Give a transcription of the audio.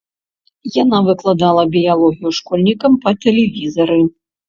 Яна выкладала біялогію школьнікам па тэлевізары.